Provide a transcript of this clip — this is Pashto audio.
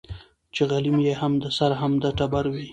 چي غلیم یې هم د سر هم د ټبر وي